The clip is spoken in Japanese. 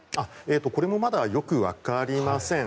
これもまだよくわかりません。